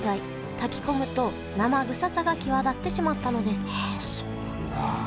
炊き込むと生臭さが際立ってしまったのですはそうなんだ。